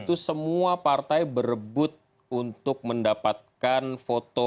kalau misalnya keyakinan itu